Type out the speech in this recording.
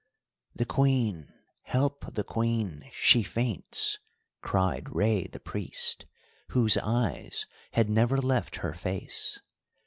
"The Queen, help the Queen, she faints," cried Rei the Priest, whose eyes had never left her face.